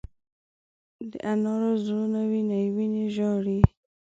د انارو زړونه وینې، وینې ژاړې